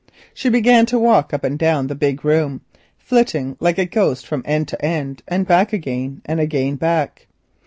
She began to walk up and down the big room, flitting like a ghost from end to end and back again, and again back.